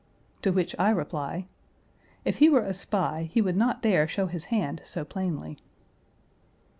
To which I reply, "If he were a spy, he would not dare show his hand so plainly."